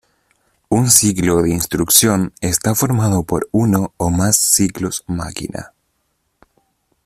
Un ciclo de instrucción está formado por uno o más ciclos máquina.